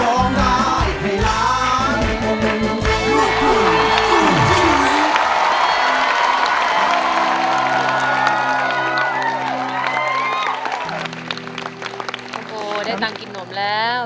โอ้โหได้ตังค์กินขนมแล้ว